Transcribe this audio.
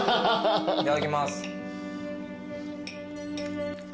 いただきます。